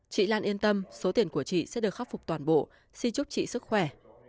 chị lan yên tâm số tiền của chị sẽ được khắc phục toàn bộ xin chúc chị sức khỏe